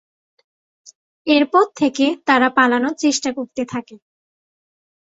এরপর থেকে তারা পালানোর চেষ্টা করতে থাকে।